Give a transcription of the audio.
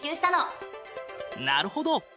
なるほど！